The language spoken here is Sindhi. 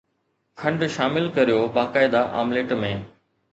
کنڊ شامل ڪريو باقاعده آمليٽ ۾